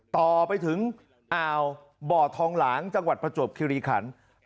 ต่อไปถึงอ่าวบ่อทองหลางจังหวัดประจวบคิริขัน